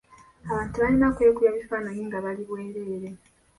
Abantu tebalina kwekubya bifaananyi nga bali bwerere.